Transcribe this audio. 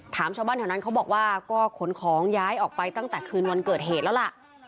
ถามชาวบ้านแถวนั้นเขาบอกว่าก็ขนของย้ายออกไปตั้งแต่คืนวันเกิดเหตุแล้วล่ะ